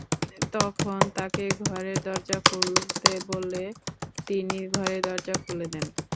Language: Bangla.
তখন তাঁকে ঘরের দরজা খুলতে বললে তিনি ঘরের দরজা খুলে দেন।